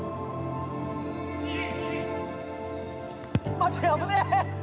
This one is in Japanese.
待って危ねえ！